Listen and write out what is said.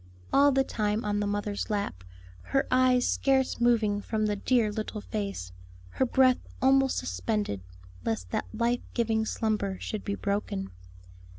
All the time on the mother's lap, her eyes scarce moving from the dear little face; her breath almost suspended, lest that life giving slumber should be broken.